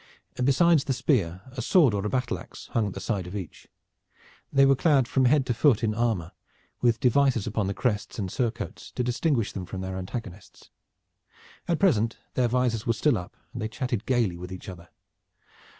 Besides the spear a sword or a battle ax hung at the side of each. They were clad from head to foot in armor, with devices upon the crests and surcoats to distinguish them from their antagonists. At present their visors were still up and they chatted gayly with each other.